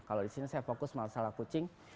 kalau di sini saya fokus masalah kucing